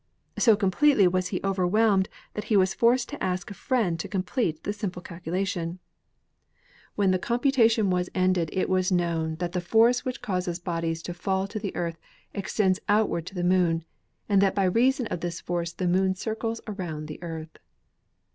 So com pletely was he overwhelmed that he was forced to ask a friend to complete the simple calculation. When the com 54 ASTRONOMY putation was ended it was known that the force which causes bodies to fall to the Earth extends outward to the Moon, and that by reason of this force the Moon circles around the Earth.